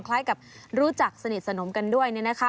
คล้ายกับรู้จักสนิทสนมกันด้วย